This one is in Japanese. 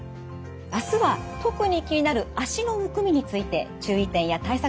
明日は特に気になる脚のむくみについて注意点や対策